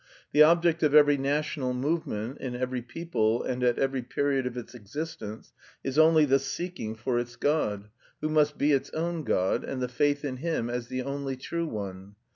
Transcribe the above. The object of every national movement, in every people and at every period of its existence is only the seeking for its god, who must be its own god, and the faith in Him as the only true one.